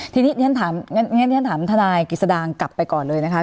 ทีนี้ฉันถามทนายกิจสดางกลับไปก่อนเลยนะคะ